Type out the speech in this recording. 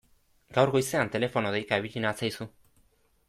Gaur goizean telefono deika ibili natzaizu.